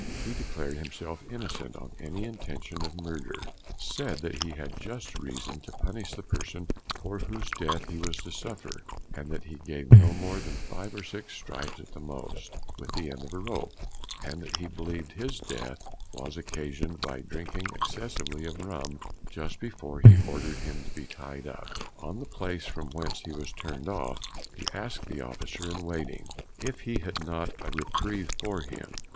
He declared himself innocent of any intention of murder: said that he had just reason to punish the person for whose death he was to suffer; and that he gave no more than five or six stripes at the most, with the end of a rope; and that he believed his death was occasioned by drinking excessively of rum just before he ordered him to be tied up. On the place from whence he was turned off, he asked the officer in waiting, "If he had not a reprieve for him?"